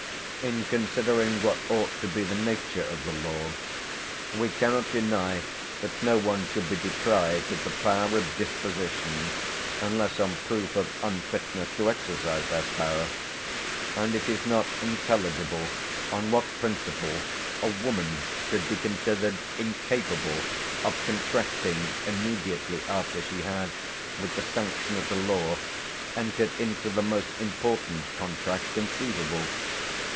In considering what ought to be the nature of the law, we cannot deny that no one should be deprived of the power of disposition, unless on proof of unfitness to exercise that power; and it is not intelligible on what principle a woman should be considered incapable of contracting immediately after she has, with the sanction of the law, entered into the most important contract conceivable.